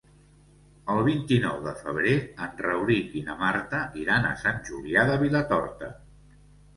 El vint-i-nou de febrer en Rauric i na Marta iran a Sant Julià de Vilatorta.